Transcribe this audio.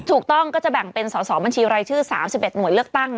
ถูกต้องก็จะแบ่งเป็นสอสอบัญชีรายชื่อ๓๑หน่วยเลือกตั้ง